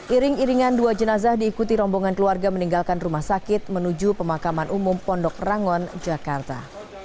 iring iringan dua jenazah diikuti rombongan keluarga meninggalkan rumah sakit menuju pemakaman umum pondok rangon jakarta